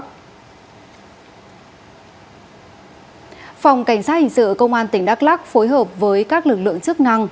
phòng cảnh sát hình sự công an tỉnh đắk lắc phối hợp với các lực lượng chức năng